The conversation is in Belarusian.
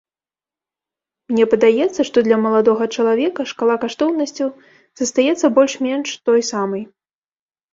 Мне падаецца, што для маладога чалавека шкала каштоўнасцяў застаецца больш-менш той самай.